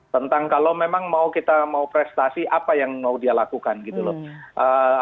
tentang kalau memang mau kita mau prestasi apa yang mau dia lakukan gitu loh